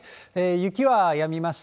雪はやみました。